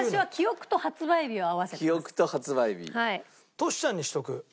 トシちゃんにしとく。